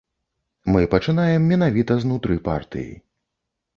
Мы пачынаем менавіта знутры партыі.